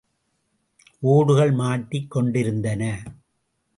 ஓடுகள் மாட்டிக் கொண்டிருந்தன.